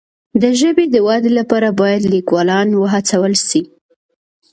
د ژبې د ودي لپاره باید لیکوالان وهڅول سي.